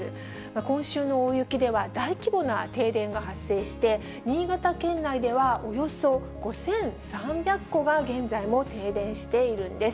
今週の大雪では大規模な停電が発生して、新潟県内ではおよそ５３００戸が現在も停電しているんです。